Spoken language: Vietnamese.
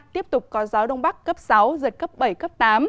tiếp tục có gió đông bắc cấp sáu giật cấp bảy cấp tám